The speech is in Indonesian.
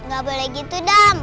gak boleh gitu dam